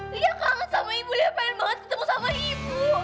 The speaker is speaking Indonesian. dia kangen sama ibu dia pengen banget ketemu sama ibu